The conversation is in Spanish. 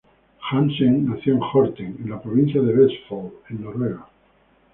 Jansen nació en Horten, en la provincia de Vestfold, en Noruega.